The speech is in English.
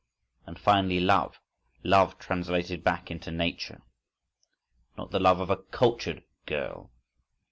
—And finally love, love translated back into Nature! Not the love of a "cultured girl!"